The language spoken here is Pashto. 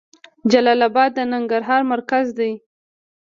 جلال اباد د ننګرهار مرکز ده.